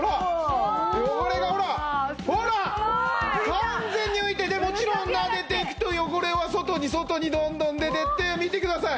完全に浮いてもちろんなでていくと汚れは外に外にどんどん出てって見てください！